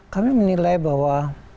kami menilai bahwa